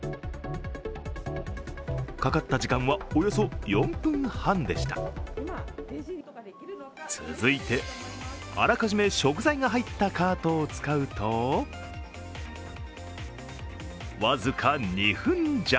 かかった時間はおよそ４分半でした続いて、あらかじめ食材が入ったカートを使うと僅か２分弱。